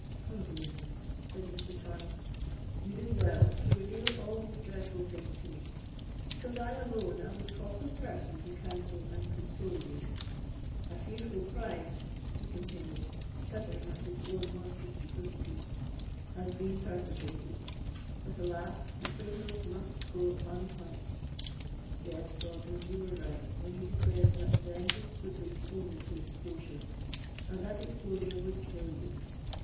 "Rosamond," said Mr. Torrens, "you did well to reveal all these dreadful things to me; because I alone am the proper person to counsel and console you. A fearful crime," he continued, shuddering at his own monstrous duplicity, "has been perpetrated; but, alas! the criminals must go unpunished. Yes,—Rosamond, you were right when you declared that vengeance would lead only to exposure; and that exposure would kill you.